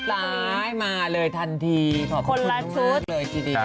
สายมาเลยทันทีขอบคุณมากเลยที่ดี